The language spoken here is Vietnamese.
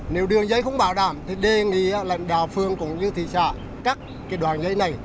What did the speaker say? nếu đường dây không bảo đảm thì đề nghị lãnh đạo phương cũng như thị xã cắt cái đoàn dây này